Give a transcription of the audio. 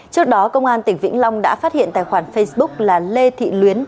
trước đó công an tỉnh vĩnh long đã phát hiện tài khoản facebook là lê thị luyến